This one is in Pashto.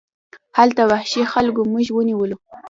هلته وحشي خلکو موږ ونیولو.